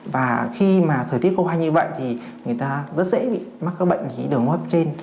và khi mà thời tiết khô hành như vậy thì người ta rất dễ bị mắc các bệnh lý đường hô hấp trên